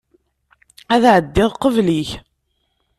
Ad ɛeddiɣ qbel-ik.